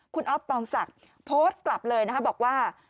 คุณอ๊อฟปองศักดิ์โพสต์กลับเลยนะคะบอกว่า